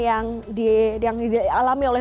yang dialami oleh